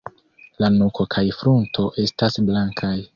La nuko kaj frunto estas blankaj.